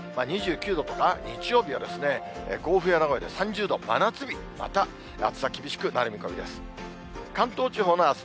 ２９度とか、日曜日は、甲府や名古屋で３０度、真夏日、また暑さ厳しくなる見込みです。